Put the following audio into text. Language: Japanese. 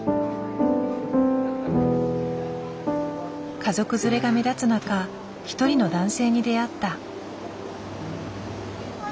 家族連れが目立つ中一人の男性に出会った。